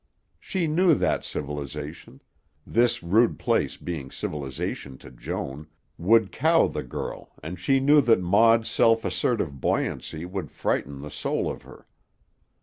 She knew that civilization this rude place being civilization to Joan would cow the girl and she knew that Maud's self assertive buoyancy would frighten the soul of her.